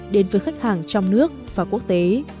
đến với khách hàng trong nước và quốc tế